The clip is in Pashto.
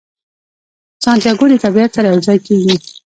سانتیاګو د طبیعت سره یو ځای کیږي.